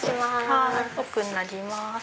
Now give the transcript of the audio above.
はい奥になります。